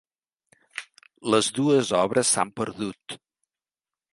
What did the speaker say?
Les dues obres s'han perdut.